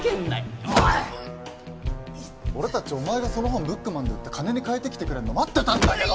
俺たちお前がその本ブックマンで売って金に換えてきてくれるの待ってたんだけど！